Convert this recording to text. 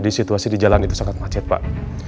di situasi di jalan itu sangat macet pak